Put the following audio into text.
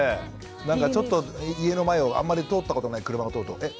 なんかちょっと家の前をあんまり通ったことない車が通るとえっ